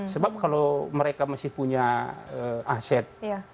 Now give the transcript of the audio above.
sebab kalau mereka masih punya aset